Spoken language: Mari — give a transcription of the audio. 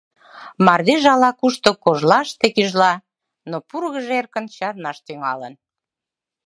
Мардеж ала-кушто кожлаште гӱжла, но пургыж эркын чарнаш тӱҥалын.